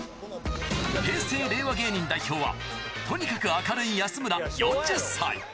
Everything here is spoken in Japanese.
平成・令和芸人代表は、とにかく明るい安村４０歳。